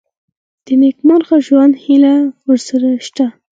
د نېکمرغه ژوند هیلې ورسره شته.